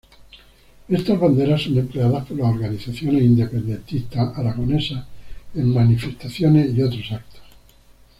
Estas banderas son empleadas por las organizaciones independentistas aragonesas en manifestaciones y otros actos.